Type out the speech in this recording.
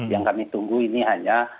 yang kami tunggu ini hanya